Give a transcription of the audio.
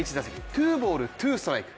ツーボール、ツーストライク。